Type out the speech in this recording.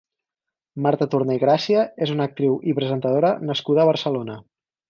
Marta Torné i Gràcia és una actriu i presentadora nascuda a Barcelona.